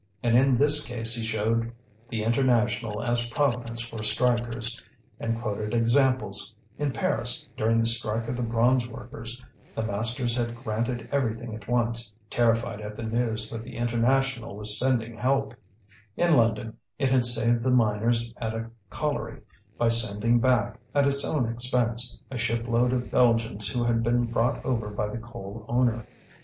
And in this case he showed the International as providence for strikers, and quoted examples: in Paris, during the strike of the bronze workers, the masters had granted everything at once, terrified at the news that the International was sending help; in London it had saved the miners at a colliery, by sending back, at its own expense, a ship load of Belgians who had been brought over by the coal owner.